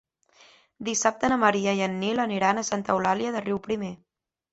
Dissabte na Maria i en Nil aniran a Santa Eulàlia de Riuprimer.